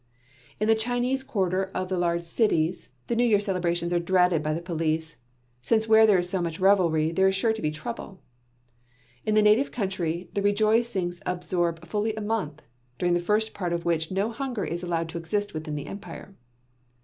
In the Chinese quarter of the large cities, the New Year celebrations are dreaded by the police, since where there is so much revelry there is sure to be trouble. In the native country, the rejoicings absorb fully a month, during the first part of which no hunger is allowed to exist within the Empire.